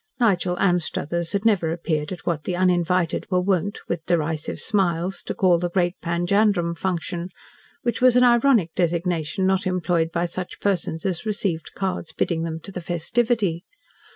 Nigel Anstruthers had never appeared at what the uninvited were wont, with derisive smiles, to call The Great Panjandrum Function which was an ironic designation not employed by such persons as received cards bidding them to the festivity.